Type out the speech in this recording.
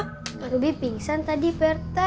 pak rubi pingsan tadi pak rete